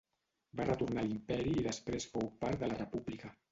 Va retornar a l'Imperi i després fou part de la república.